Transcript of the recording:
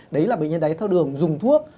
đấy là bệnh nhân đài tháo đường dùng thuốc